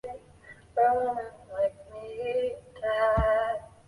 全海笋属为海螂目鸥蛤科下的一个属。